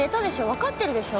わかってるでしょ？